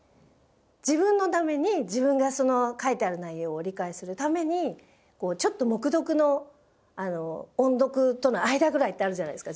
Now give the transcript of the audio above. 自分のために自分がその書いてある内容を理解するためにちょっと黙読の音読との間ぐらいってあるじゃないですか。